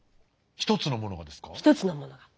１つのものが。